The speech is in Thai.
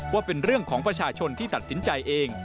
ว่าเป็นเรื่องของประชาชนที่ตัดสินใจเอง